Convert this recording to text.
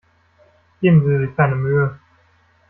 Geben Sie sich keine Mühe.